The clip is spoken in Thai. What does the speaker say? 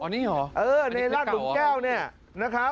นี่หรออันนี้เก่าะ